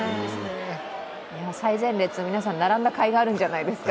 最前列、皆さん並んだかいがあるんじゃないですか。